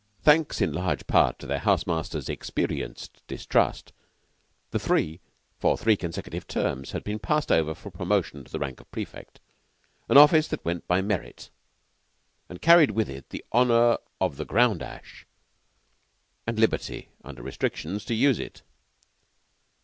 Thanks in large part to their house master's experienced distrust, the three for three consecutive terms had been passed over for promotion to the rank of prefect an office that went by merit, and carried with it the honor of the ground ash, and liberty, under restrictions, to use it.